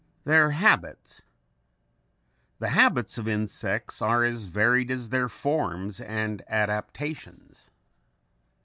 ] Their Habits The habits of insects are as varied as their forms and adaptations.